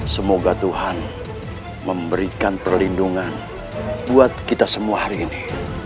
semoga tuhan memberikan perlindungan buat kita semua hari ini